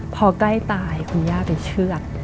พอใกล้ตายคุณย่าไปเชื่อด